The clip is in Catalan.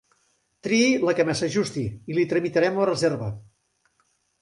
Triï la que més s'ajusti i li tramitarem la reserva.